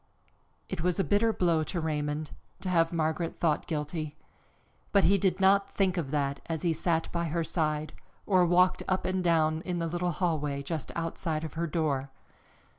It was a bitter blow to Raymond, to have Margaret thought guilty, but he did not think of that as he sat by her side, or walked up and down in the little hallway just outside of her door.